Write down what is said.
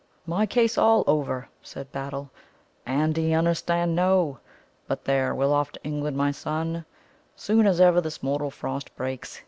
"My case all over," said Battle. "Andy unnerstand no. But there, we'll off to England, my son, soon as ever this mortal frost breaks.